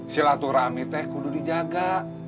silaturahmi teh kudu dijaga